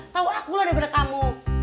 tau aku lah daripada kamu